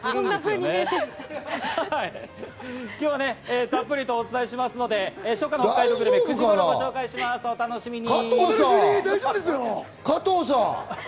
今日はたっぷりとお伝えしますので、初夏の北海道グルメ、９時頃ご紹介します、お楽しみに。